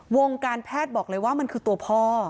วงการแพทย์บอกเลยว่ามันคือตัวพ่อ